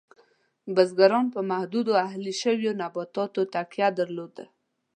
بزګرانو په محدودو اهلي شویو نباتاتو تکیه درلود.